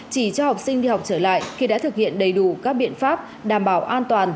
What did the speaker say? chỉ cho học sinh đi học trở lại khi đã thực hiện đầy đủ các biện pháp đảm bảo an toàn